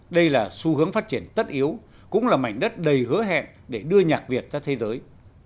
đây là xu hướng phát triển tất yếu cũng là mảnh đất đầy hứa hẹn để đưa nhạc việt ra thế giới